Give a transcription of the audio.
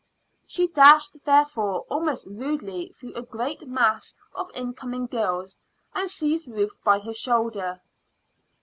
She dashed, therefore, almost rudely through a great mass of incoming girls, and seized Ruth by her shoulder.